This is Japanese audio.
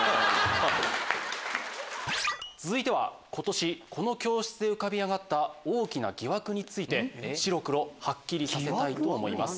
続いては今年この教室で浮かび上がった大きな疑惑について白黒ハッキリさせたいと思います。